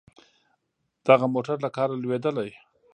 دغه موټر له کاره لوېدلی.